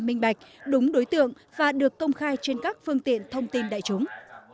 minh bạch đúng đối tượng và được công khai trên các phương tiện thông tin đại chúng